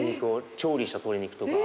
調理した鶏肉とか。